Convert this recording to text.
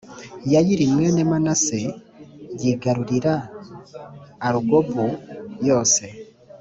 yayiri mwene manase yigarurira arugobu yose